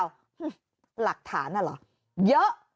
หลักฐานน่ะเหรอเยอะ